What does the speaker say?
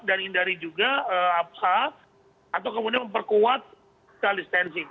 dan hindari juga apa atau kemudian memperkuat kualitas